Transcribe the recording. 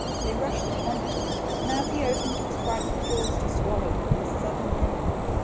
They rushed upon him, and as he opened his frightful jaws to swallow this sudden enemy.